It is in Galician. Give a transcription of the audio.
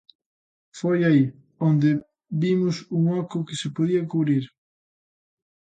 Foi aí onde vimos un oco que se podía cubrir.